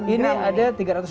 ini ada tiga ratus gram